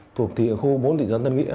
tụt thì ở khu bốn thị dân tân nghĩa